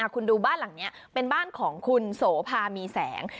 คุณดูบ้านหลังนี้เป็นบ้านของคุณโสภามีแสง